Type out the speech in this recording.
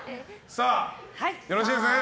さあ、よろしいですね。